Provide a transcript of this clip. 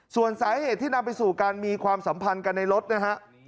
ส่วนสาเหตุที่นำไปสู่การมีความสัมพันธ์กันในรถนะฮะ